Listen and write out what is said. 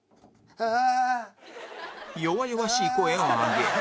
「ああ」